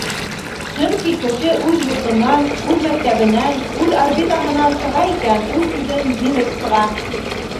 Сөнки кеше үҙ йортонан, үҙ мәктәбенән, үҙ орбитаһынан сыға икән, ул үҙен еңеп сыға.